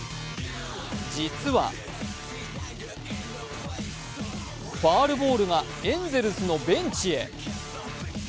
実はファウルボールがエンゼルスのベンチへ。